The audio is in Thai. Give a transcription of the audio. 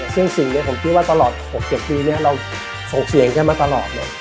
ซึ่งสิ่งนี้ผมคิดว่าตลอด๖๗ปีนี้เราส่งเสียงกันมาตลอดเลย